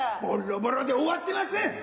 ボッロボロで終わってます！